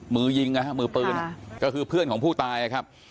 มือยิงนะฮะมือปืนก็คือเพื่อนของผู้ตายนะครับ